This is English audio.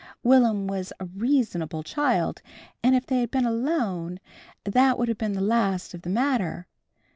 Will'm was a reasonable child, and if they had been alone that would have been the last of the matter.